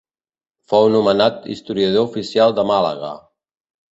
Fou nomenat historiador oficial de Màlaga.